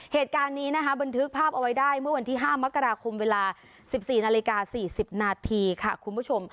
เหตุการณ์นี้นะคะบันทึกภาพเอาไว้ได้เมื่อวันที่๕มกราคมเวลา๑๔นาฬิกา๔๐นาทีค่ะคุณผู้ชม